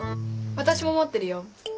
私も持ってるよ。